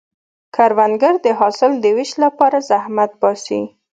کروندګر د حاصل د ویش لپاره زحمت باسي